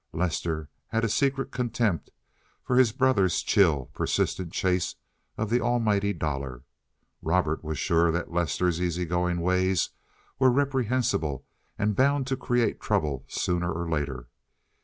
Lester had a secret contempt for his brother's chill, persistent chase of the almighty dollar. Robert was sure that Lester's easy going ways were reprehensible, and bound to create trouble sooner or later.